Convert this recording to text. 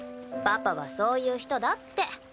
パパはそういう人だって。